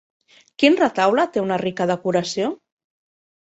Quin retaule té una rica decoració?